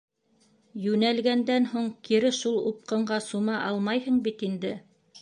Йүнәлгәндән һуң кире шул упҡынға сума алмайһың бит инде?!